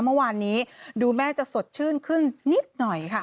เมื่อวานนี้ดูแม่จะสดชื่นขึ้นนิดหน่อยค่ะ